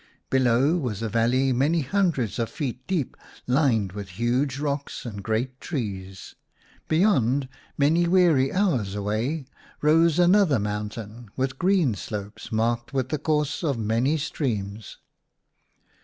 Below was a valley many hundreds of feet deep, lined with huge rocks and great trees. Beyond, many weary hours away, rose another mountain with green slopes marked with the course of many streams.